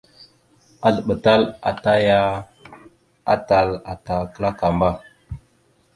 Azləɓatal ata aya atal ata klakamba.